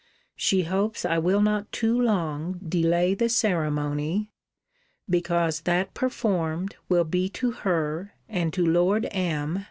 She hopes I will not too long delay the ceremony; because that performed, will be to her, and to Lord M.